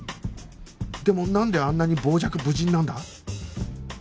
でもなんであんなに傍若無人なんだ？